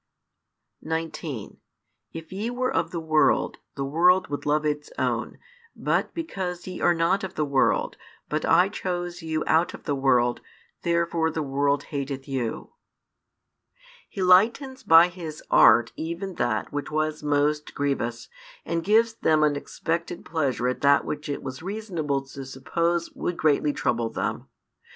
19 If ye were of the world, the world would love its own: but because ye are not of the world, but I chose you out of the world, therefore the world hateth you. He lightens by His art even that which was most grievous, and gives them unexpected pleasure at that which it was reasonable to suppose would greatly trouble them.